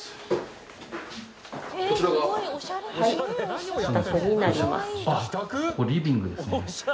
あっここリビングですね。